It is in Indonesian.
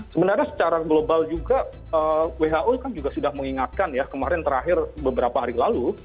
sebenarnya secara global juga who kan juga sudah mengingatkan ya kemarin terakhir beberapa hari lalu